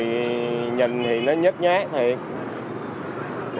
tình hình thì nó nhấp nhát thiệt